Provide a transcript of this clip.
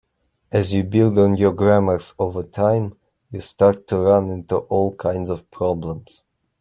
As you build on your grammars over time, you start to run into all kinds of problems.